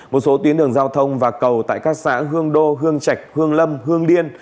một số tuyến đường giao thông và cầu tại các xã hương đô hương trạch hương lâm hương điên